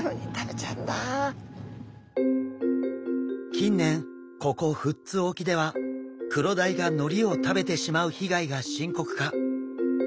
近年ここ富津沖ではクロダイがのりを食べてしまう被害が深刻化。